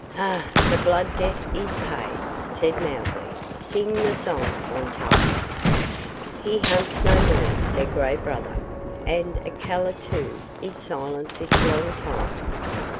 "Huh! The Blood Debt is paid," said Mowgli. "Sing the song, Won tolla." "He hunts no more," said Gray Brother; "and Akela, too, is silent this long time."